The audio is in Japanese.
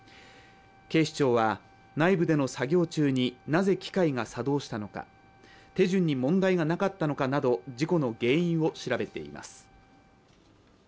警視庁は内部での作業中になぜ機械が作動したのか手順に問題がなかったのかなど事故の原因を調べています。